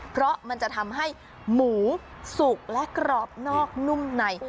เพราะมันจะทำให้หมูสุกและกรอบนอกนุ่มใน